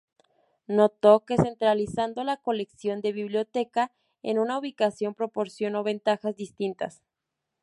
Notó que centralizando la colección de biblioteca en una ubicación proporcionó ventajas distintas.